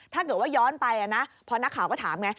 ถ้าเกิดว่าย้อนไปนะพอนักข่าวก็ถามไง